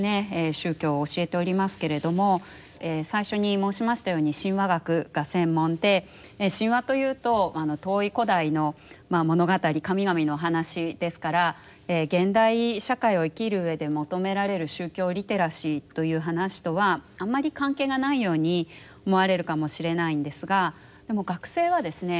宗教を教えておりますけれども最初に申しましたように神話学が専門で神話というと遠い古代の物語神々の話ですから現代社会を生きるうえで求められる宗教リテラシーという話とはあまり関係がないように思われるかもしれないんですが学生はですね